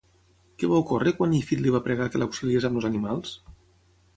Què va ocórrer quan Ífit li va pregar que l'auxiliés amb els animals?